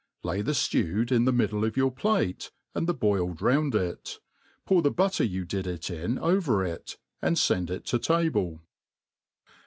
Lay the ftewed in ^he middle of your plate, and the boiled round ic» Pour the butter you did it in over it, and fend it to table.